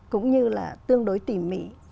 cũng như là tương đối tỉ mỉ